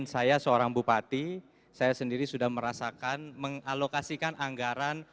saya seorang bupati saya sendiri sudah merasakan mengalokasikan anggaran